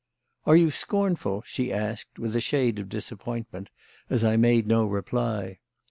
"Are you scornful?" she asked, with a shade of disappointment, as I made no reply.